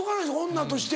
女として。